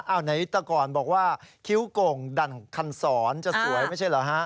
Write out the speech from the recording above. อ้าวในวิตากรบอกว่าคิ้วโค้งดั่งคันสอนจะสวยไม่ใช่เหรอฮะ